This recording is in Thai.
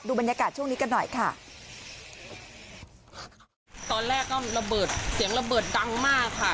บรรยากาศช่วงนี้กันหน่อยค่ะตอนแรกก็ระเบิดเสียงระเบิดดังมากค่ะ